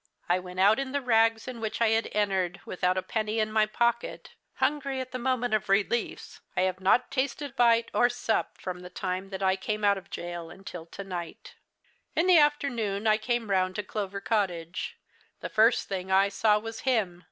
I went out in the rags in which I had entered, without a penny in my pocket hungry at the moment of release, I have not tasted bite or sup from the time that I came out of gaol until tonight. "In the afternoon I came round to Clover Cottage. The first thing I saw was him."